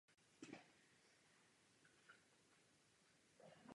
Tím je opticky lépe schopna zaměřit na zdroj rentgenového záření.